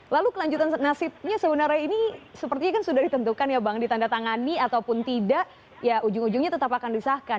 lalu kelanjutan nasibnya sebenarnya ini sepertinya kan sudah ditentukan ya bang ditandatangani ataupun tidak ya ujung ujungnya tetap akan disahkan